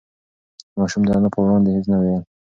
ماشوم د انا په وړاندې هېڅ نه ویل.